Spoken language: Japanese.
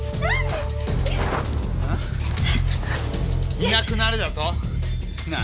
「いなくなれ」だと？なぁ